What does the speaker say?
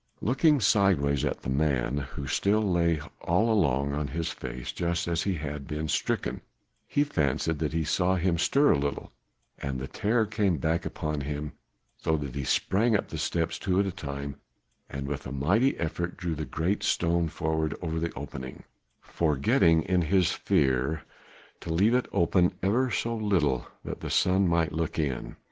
Looking sidewise at the man, who still lay all along on his face just as he had been stricken, he fancied that he saw him stir a little, and the terror came back upon him so that he sprang up the steps two at a time, and with a mighty effort drew the great stone forward over the opening, forgetting in his fear to leave it open ever so little that the sun might look in.